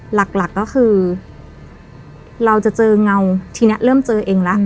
หลักก็คือเราจะเจอเงาทีนี้เริ่มเจอเองแล้ว